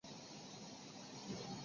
武平四年去世。